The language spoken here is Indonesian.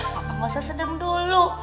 papa nggak usah senang dulu